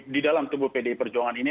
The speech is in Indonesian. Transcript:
di dalam tubuh pdi perjuangan ini